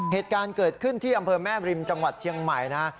เหตุการณ์เกิดขึ้นที่อำเภอแม่บริมจังหวัดเชียงใหม่นะ